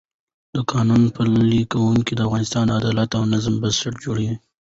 د قانون پلي کول د افغانستان د عدالت او نظم بنسټ جوړوي